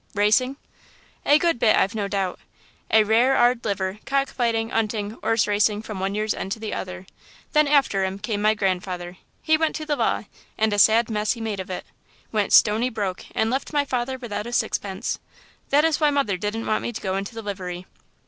"Racing?" "A good bit, I've no doubt. A rare 'ard liver, cock fighting, 'unting, 'orse racing from one year's end to the other. Then after 'im came my grandfather; he went to the law, and a sad mess he made of it went stony broke and left my father without a sixpence; that is why mother didn't want me to go into livery.